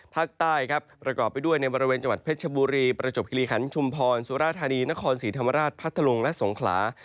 ภาคใต้ครับประกอบไปด้วยในบริเวณจังหวัดเพชรชบุรีประจบคิริขันชุมพรสุราธานีนครศรีธรรมราชพัทธลุงและสงขลา